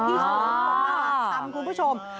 พี่ชาวบ้านหัมพ์คุณผู้ชม